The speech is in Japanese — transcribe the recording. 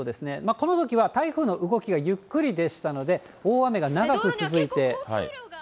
このときは台風の動きはゆっくりでしたので、大雨が長く続いて。